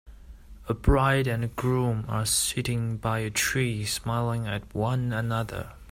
A bride and a groom are sitting by a tree smiling at one another.